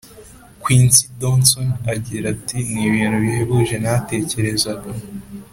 Quincy Dotson agira ati ni ibintu bihebuje Natekerezaga